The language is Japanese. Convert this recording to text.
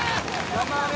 頑張れ！